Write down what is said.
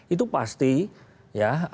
itu pasti ya